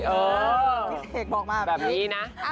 พี่เสกบอกมาแบบนี้นะ